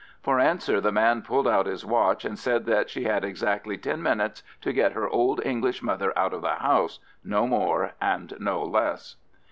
For answer the man pulled out his watch, and said that she had exactly ten minutes to get her old English mother out of the house, no more and no less.